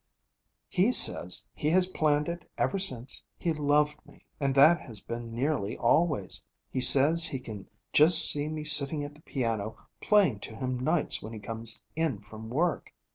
'He says he has planned it ever since he loved me, and that has been nearly always. He says he can just see me sitting at the piano playing to him nights when he comes in from work.